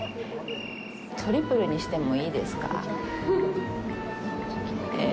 トリプルにしてもいいですか？